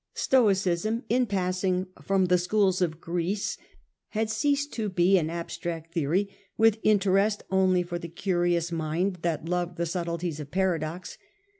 Stoicism in passing from the schools of Greece had ceased to be Stoicism, abstract theory, with interest only for the curious mind that loved the subtleties of paradox.